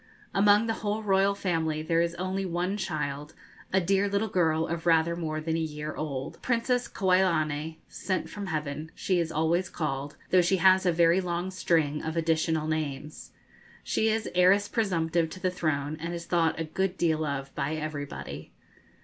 Among the whole royal family there is only one child, a dear little girl of rather more than a year old. Princess Kauilani ('Sent from Heaven') she is always called, though she has a very long string of additional names. She is heiress presumptive to the throne, and is thought a good deal of by everybody.